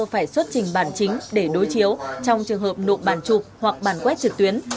phải xuất trình bản chính để đối chiếu trong trường hợp nộp bản chụp hoặc bản quét trực tuyến